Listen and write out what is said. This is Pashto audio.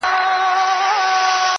زه لرمه کاسې ډکي د همت او قناعته,